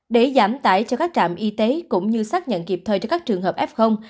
để giảm tải cho các trạm y tế cũng như xác nhận kịp thời cho các trường hợp f